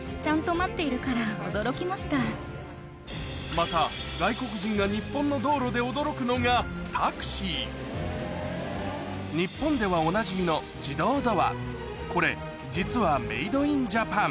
また外国人が日本の道路で驚くのが日本ではおなじみのこれ実はメード・イン・ジャパン